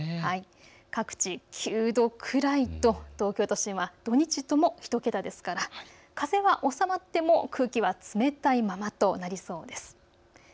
各地９度くらいと東京都心は土日とも１桁ですから風は収まっても空気は冷たいままとなりそうです。